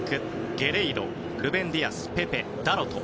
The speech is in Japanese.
ゲレイロルベン・ディアス、ペペダロト。